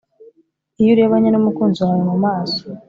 iyo urebanye n’umukunzi wawe mu maso